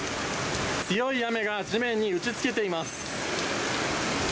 強い雨が地面に打ちつけています。